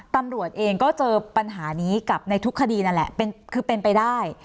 ตำรวจเองก็เจอปัญหานี้กับในทุกคดีนั่นแหละคือเป็นไปได้